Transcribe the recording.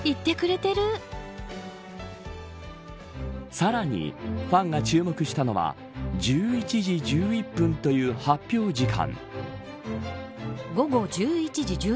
さらにファンが注目したのは１１時１１分という発表時間。